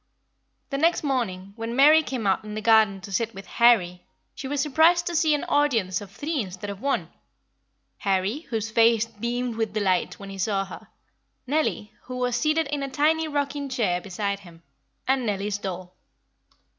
The next morning, when Mary came out in the garden to sit with Harry, she was surprised to see an audience of three instead of one: Harry, whose face beamed with delight when he saw her; Nellie, who was seated in a tiny rocking chair beside him, and Nellie's doll.